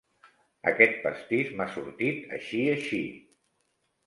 Aquest pastís m'ha sortit així així.